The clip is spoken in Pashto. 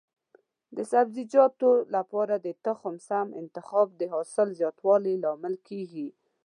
د سبزیجاتو لپاره د تخم سم انتخاب د حاصل زیاتوالي لامل کېږي.